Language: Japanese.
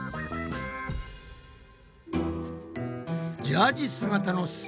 ジャージ姿のす